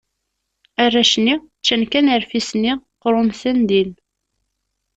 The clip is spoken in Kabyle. Arrac-nni ččan kan rfis-nni, qrumten din.